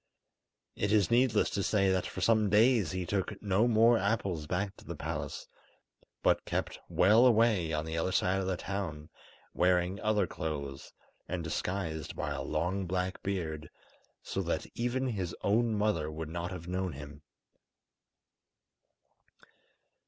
It is needless to say that for some days he took no more apples back to the palace, but kept well away on the other side of the town, wearing other clothes, and disguised by a long black beard, so that even his own mother would not have known him.